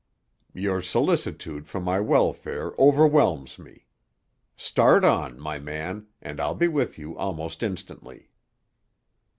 "Your solicitude for my welfare overwhelms me. Start on, my man, and I'll be with you almost instantly."